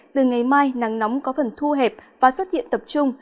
từ ngày mai nắng nóng có phần thu hẹp và xuất hiện tập trung